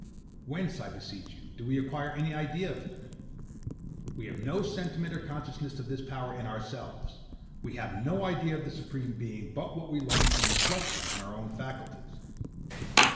Whence, I beseech you, do we acquire any idea of it? We have no sentiment or consciousness of this power in ourselves. We have no idea of the Supreme Being but what we learn from reflection on our own faculties.